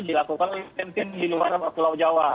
dilakukan di luar pulau jawa